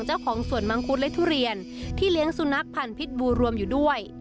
เจ้าของสวนมังคุดและทุเรียนที่เลี้ยงสุนัขพันธ์พิษบูรวมอยู่ด้วย